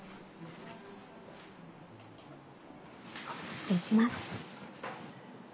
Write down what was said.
失礼します。